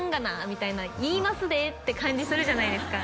みたいな「言いますで！」って感じするじゃないですか